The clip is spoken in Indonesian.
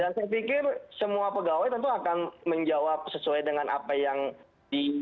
dan saya pikir semua pegawai tentu akan menjawab sesuai dengan apa yang di